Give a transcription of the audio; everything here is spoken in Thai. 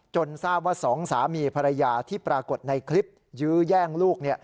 ทราบว่าสองสามีภรรยาที่ปรากฏในคลิปยื้อแย่งลูก